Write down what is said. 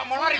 eh mau lari